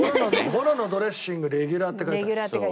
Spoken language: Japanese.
「フォロのドレッシングレギュラー」って書いてある。